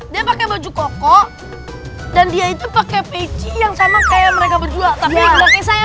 dia pakai baju koko dan dia itu pakai peci yang sama kayak mereka berdua tapi saya